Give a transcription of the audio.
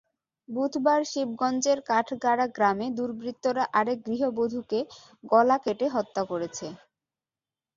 বুধবার শিবগঞ্জের কাঠগাড়া গ্রামে দুর্বৃত্তরা আরেক গৃহবধূকে গলা কেটে হত্যা করেছে।